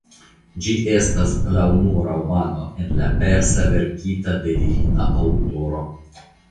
Ĝi estas la unua romano en la persa verkita de virina aŭtoro.